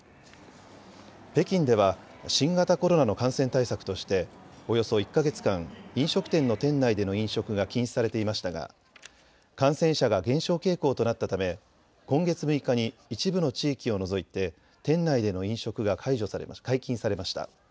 北京では新型コロナの感染対策としておよそ１か月間、飲食店の店内での飲食が禁止されていましたが感染者が減少傾向となったため今月６日に一部の地域を除いて店内での飲食が解禁されました。